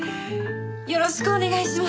よろしくお願いします！